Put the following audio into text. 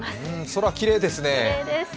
空、きれいですね。